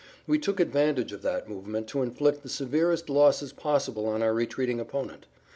We took advantage of that movement to inflict the severest losses possible on our retreating opponent.